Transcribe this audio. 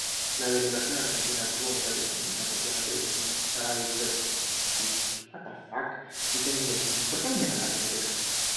La delegación argentina obtuvo medallas en natación, atletismo, halterofilia, tenis de mesa y básquetbol.